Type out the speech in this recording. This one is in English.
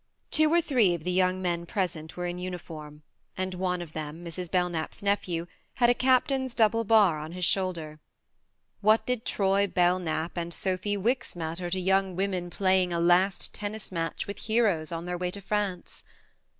Two or three of the young men present were in uniform, and one of them, Mrs. Belknap's nephew, had a captain's double bar on his shoulder. What did Troy Belknap and Sophy Wicks matter to young women playing a last tennis match with heroes on their way to France